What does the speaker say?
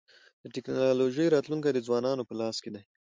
د ټکنالوژی راتلونکی د ځوانانو په لاس کي دی.